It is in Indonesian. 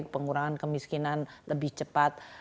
pengurangan kemiskinan lebih cepat